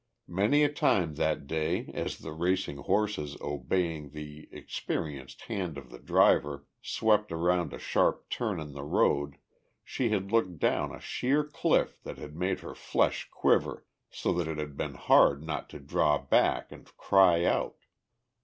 Many a time that day as the racing horses obeying the experienced hand of the driver swept around a sharp turn in the road she had looked down a sheer cliff that had made her flesh quiver so that it had been hard not to draw back and cry out.